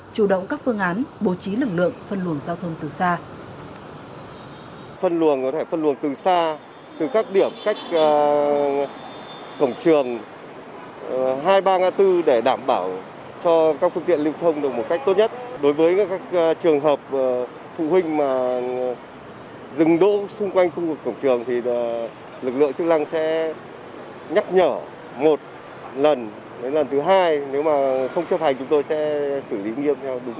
chủ động các phương án bố trí lực lượng phân luồng giao thông từ xa